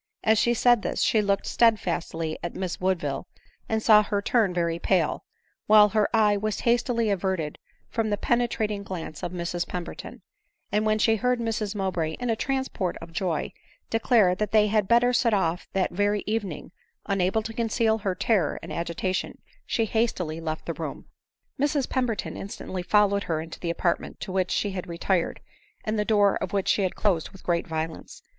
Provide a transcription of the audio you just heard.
As she said this, she looked steadfastly at Miss Woodville, and saw her turn very pale, while her eye was hastily averted from the penetrating glance of Mrs Pemberton ; and when she heard Mrs Mowbray, in a transport of joy, declare that they had better set off that very evening, unable to conceal her terror and agita tion, she hastily left the room. Mrs Pemberton instantly followed her into the apart ment to which she had retired, and the door of which she had closed with great violence.